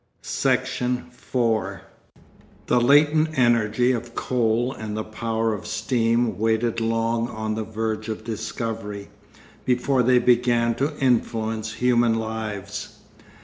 Section 4 The latent energy of coal and the power of steam waited long on the verge of discovery, before they began to influence human lives.